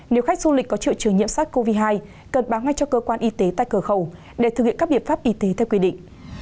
nếu khách du lịch có triệu chứng nhiễm sars cov hai cần báo ngay cho cơ quan y tế tại cửa khẩu để thực hiện các biện pháp y tế theo quy định